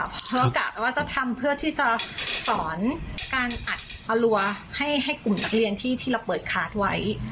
เพราะกะว่าจะทำเพื่อที่จะสอนการอัดอรัวให้กลุ่มนักเรียนที่เราเปิดคาร์ดไว้